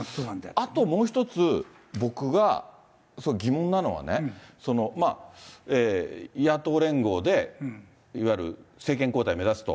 あともう一つ、僕が疑問なのはね、野党連合で、いわゆる政権交代目指すと。